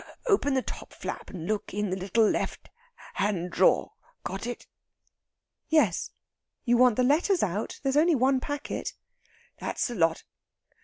Open the top flap, and look in the little left hand drawer. Got it?" "Yes; you want the letters out? There's only one packet." "That's the lot.